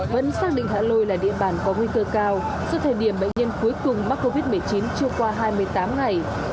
vẫn xác định hạ lôi là địa bàn có nguy cơ cao do thời điểm bệnh nhân cuối cùng mắc covid một mươi chín chưa qua hai mươi tám ngày